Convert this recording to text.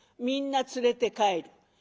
みんな連れて帰る。